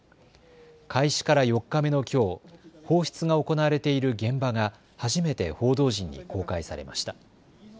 開始から４日目のきょう、放出が行われている現場が初めて報道陣に公開されました。